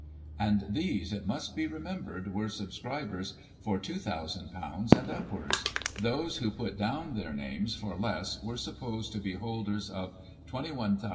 And these, it must be remembered, were subscribers for ;f 2,000 and upwards ; those who put down their names for less were supposed to be holders of ;£"2 1,386 6s.